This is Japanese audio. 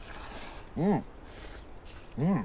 うん。